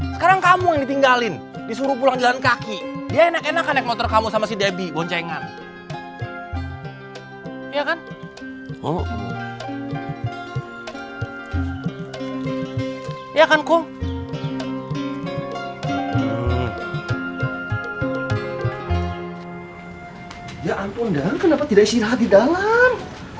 ya ampun dong kenapa tidak isi rahat di dalam